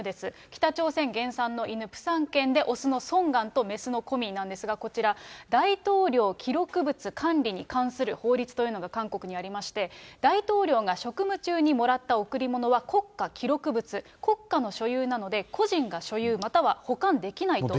北朝鮮原産の犬、プサン犬で、雄のソンガンと雌のコミなんですが、こちら、大統領記録物管理に関する法律というのが韓国にありまして、大統領が職務中にもらった贈り物は国家記録物、国家の所有なので個人が所有または保管できないと。